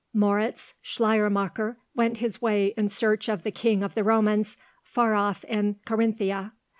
Moritz Schleiermacher went his way in search of the King of the Romans, far off in Carinthia.